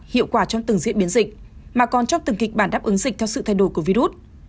hiệu quả trong từng diễn biến dịch mà còn cho từng kịch bản đáp ứng dịch theo sự thay đổi của virus